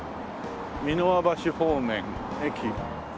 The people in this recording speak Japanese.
三ノ輪橋方面駅。